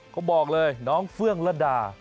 เขาบอกเลยน้องเฟื่องระดา